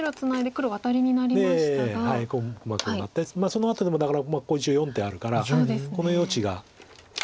そのあとでもだからここに一応４手あるからこの余地が。